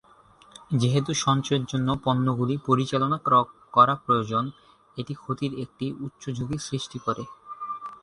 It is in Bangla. যেহেতু সঞ্চয়ের জন্য পণ্যগুলি পরিচালনা করা প্রয়োজন, এটি ক্ষতির একটি উচ্চ ঝুঁকি সৃষ্টি করে।